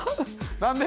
何で？